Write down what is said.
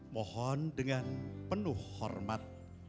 mohon dengan penuh hormat